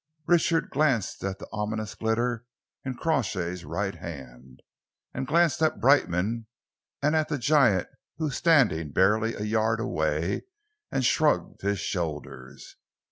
Richard glanced at that ominous glitter in Crawshay's right hand, glanced at Brightman, and at the giant who was standing barely a yard away, and shrugged his shoulders.